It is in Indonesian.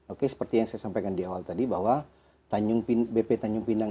oke seperti yang saya sampaikan di awal tadi bahwa bp tanjung pinang